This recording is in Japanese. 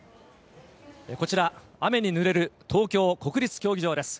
こちら、雨にぬれる東京国立競技場です。